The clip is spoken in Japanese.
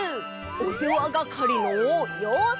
おせわがかりのようせい！